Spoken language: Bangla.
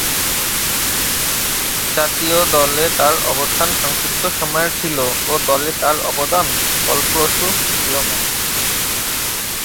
জাতীয় দলে তার অবস্থান সংক্ষিপ্ত সময়ের ছিল ও দলে তার অবদান ফলপ্রসূ ছিল না।